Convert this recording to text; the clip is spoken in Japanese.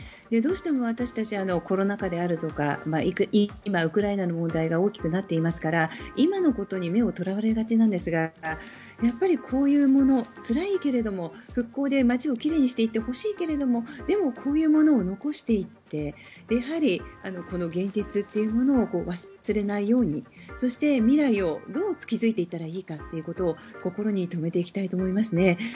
どうしても私たちコロナ禍であるとか今、ウクライナの問題が大きくなっていますから今のことに目を取られがちなんですがやっぱりこういうものつらいけれども復興で町を奇麗にしていってほしいけれどもでもこういうものを残していってこの現実というものを忘れないようにそして未来をどう築いていったらいいかということを心に留めていきたいと思いますね。